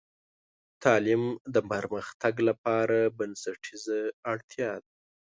تعلیم د پرمختګ لپاره بنسټیزه اړتیا ده.